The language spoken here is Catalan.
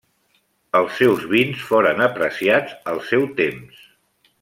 Els seus vins foren apreciats al seu temps.